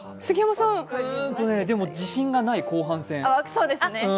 でも自信がない、後半戦。